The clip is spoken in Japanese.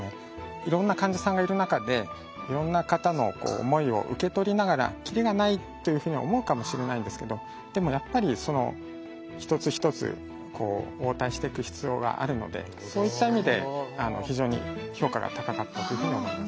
いろんな患者さんがいる中でいろんな方の思いを受け取りながらキリがないというふうに思うかもしれないんですけどでもやっぱりその１つ１つ応対していく必要があるのでそういった意味で非常に評価が高かったというふうに思います。